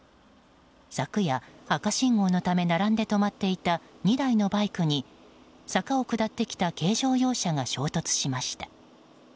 昨夜、赤信号のため並んで止まっていた２台のバイクに坂を下ってきた軽乗用車が衝突しました。